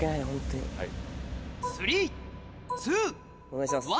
お願いします。